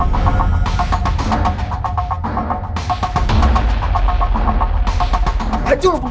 gacor lu punggung